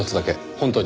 本当に。